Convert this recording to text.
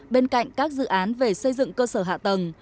bên cạnh các dự án về xây dựng cơ sở hạ tầng